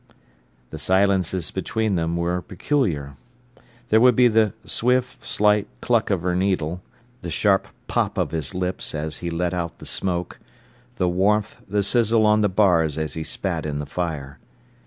The silences between them were peculiar. There would be the swift, slight "cluck" of her needle, the sharp "pop" of his lips as he let out the smoke, the warmth, the sizzle on the bars as he spat in the fire.